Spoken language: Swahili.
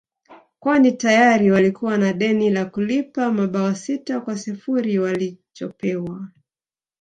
kwani tayari walikuwa na deni la kulipa mabao sita kwa sifuri walichopewa